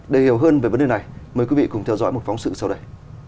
để hiểu hơn về vấn đề này mời quý vị cùng theo dõi một phóng sự sau đây